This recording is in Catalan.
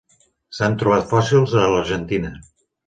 S'han trobat fòssils a l'Argentina.